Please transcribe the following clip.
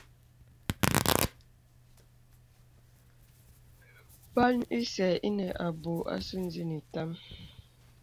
Lbàn ìsə̀ inə abū àsū nzə̀n itàm.